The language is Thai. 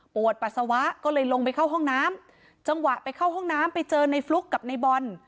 ปวดปัสสาวะก็เลยลงไปเข้าห้องน้ำจังหวะไปเข้าห้องน้ำไปเจอในฟลุ๊กกับในบอล